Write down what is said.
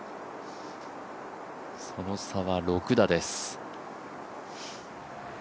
その差は６打です。